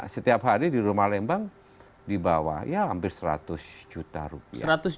setiap hari di rumah lembang di bawah ya hampir seratus juta rupiah